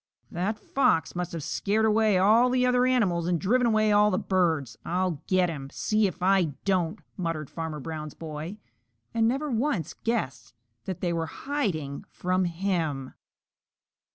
"That fox must have scared away all the other animals and driven away all the birds. I'll get him! See if I don't!" muttered Farmer Brown's boy, and never once guessed that they were hiding from him.